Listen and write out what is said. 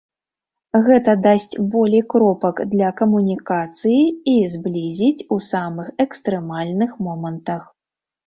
Гэта дасць болей кропак для камунікацыі і зблізіць у самых экстрэмальных момантах.